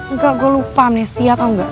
enggak gue lupa mnesia tau gak